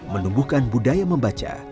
menumbuhkan budaya membaca